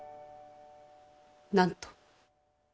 何と？